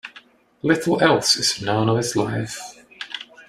Little else is known of his life.